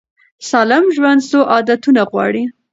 سالم ژوند څو عادتونه غواړي.